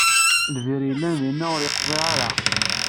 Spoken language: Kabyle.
Lbir yellan dinna ur yeqḍiɛ ara.